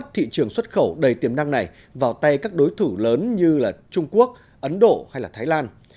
thị trường xuất khẩu đầy tiềm năng này vào tay các đối thủ lớn như trung quốc ấn độ hay thái lan